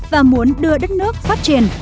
và muốn đưa đất nước phát triển